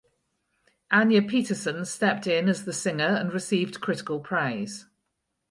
Anja Petersen stepped in as the singer and received critical praise.